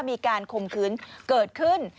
มีการข่มขืนเกิดขึ้น